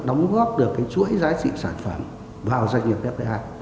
đóng góp được cái chuỗi giá trị sản phẩm vào doanh nghiệp fdi